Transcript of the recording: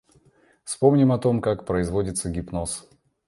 Вспомним о том, как производится гипноз.